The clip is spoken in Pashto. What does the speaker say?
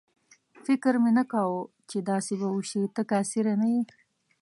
فکر مې نه کاوه چې داسې به وشي، ته کاسېره نه یې.